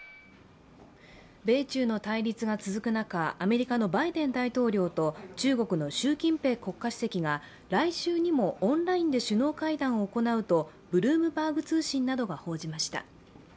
米中の対立が続く中、アメリカのバイデン大統領と中国の習近平国家主席が、オンラインで首脳会談を行うとブルームバーグ通信などが報じました。